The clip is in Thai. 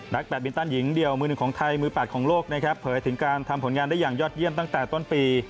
แบตบินตันหญิงเดียวมือหนึ่งของไทยมือ๘ของโลกนะครับเผยถึงการทำผลงานได้อย่างยอดเยี่ยมตั้งแต่ต้นปี